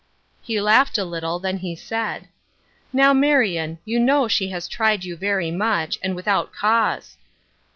He laughed a little, then he said :" Now, Marion, you know she has tried you very much, and without cause."